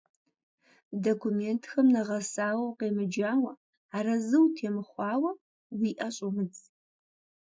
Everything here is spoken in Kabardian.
Документхэм нэгъэсауэ укъемыджауэ, арэзы утемыхъуауэ, уи ӏэ щӏумыдз.